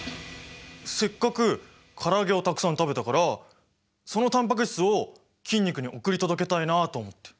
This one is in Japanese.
せっかく唐揚げをたくさん食べたからそのタンパク質を筋肉に送り届けたいなと思って。